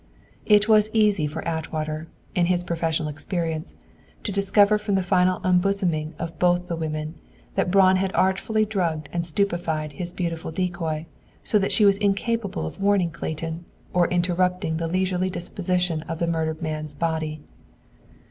It was easy for Atwater, in his professional experience, to discover from the final unbosoming of both the women, that Braun had artfully drugged and stupefied his beautiful decoy, so that she was incapable of warning Clayton, or interrupting the leisurely disposition of the murdered man's body.